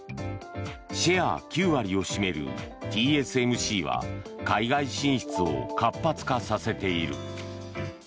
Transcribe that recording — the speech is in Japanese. シェア９割を占めるＴＳＭＣは海外進出を活発化させている。